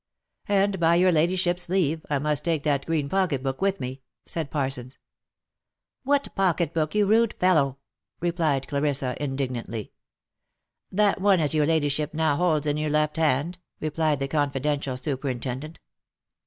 " And by your ladyship's leave I must take that green pocket book with me," said Parsons. " What pocket book, you rude fellow?" replied Lady Clarissa, in dignantly. " That one as your ladyship now holds in your left hand," replied the confidential superintendent.